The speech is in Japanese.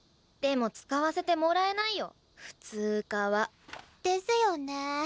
⁉でも使わせてもらえないよ普通科は。ですよね。